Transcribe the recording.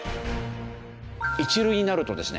１類になるとですね